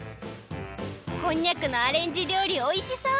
こんにゃくのアレンジりょうりおいしそう！